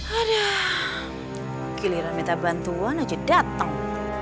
aduh giliran minta bantuan aja datang